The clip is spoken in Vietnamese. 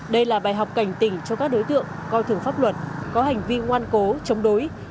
đây là bài học cảnh tỉnh cho các đối tượng coi thường pháp luật có hành vi ngoan cố chống đối